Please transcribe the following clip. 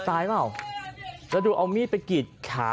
ก็ได้พลังเท่าไหร่ครับ